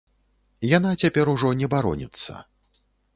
Яна цяпер ужо не бароніцца.